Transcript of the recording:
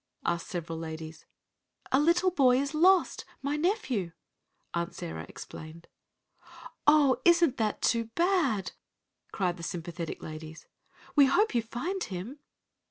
asked several ladies. "A little boy is lost my nephew," Aunt Sarah explained. "Oh, isn't that too bad!" cried the sympathetic ladies. "We hope you find him!"